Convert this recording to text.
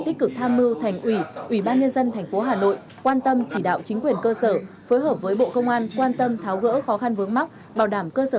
tích cực tham mưu thành ủy ủy ban nhân dân tp hà nội quan tâm chỉ đạo chính quyền cơ sở